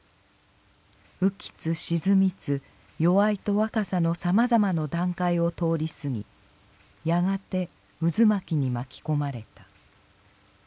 浮きつ沈みつ齢と若さのさまざまの段階を通り過ぎやがて渦巻に巻き込まれた」。